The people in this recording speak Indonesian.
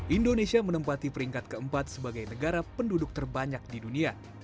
indonesia menempati peringkat keempat sebagai negara penduduk terbanyak di dunia